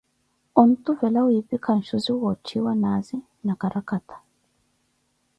Ontuvela wipikha nxuzi wootthiwa naazi na karakata.